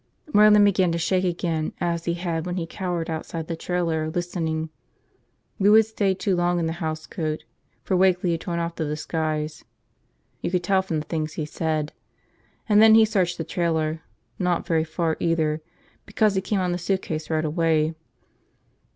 Merlin began to shake again as he had when he cowered outside the trailer, listening. Lou had stayed too long in the housecoat, for Wakeley had torn off the disguise. You could tell, from the things he said. And then he searched the trailer, not very far, either, because he came on the suitcase right away.